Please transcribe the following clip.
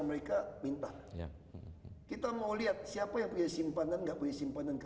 mereka minta kita mau lihat siapa yang punya simpanan enggak punya simpanan ke